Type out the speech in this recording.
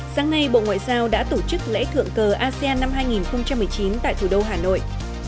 sáng nay bộ ngoại giao đã tổ chức lễ thượng cờ asean năm hai nghìn một mươi chín tại thủ đô hà nội